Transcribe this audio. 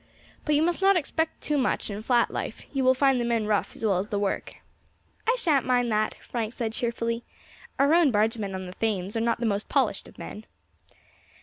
But you must not expect much in flat life, you will find the men rough as well as the work." "I shan't mind that," Frank said cheerfully; "our own bargemen on the Thames are not the most polished of men."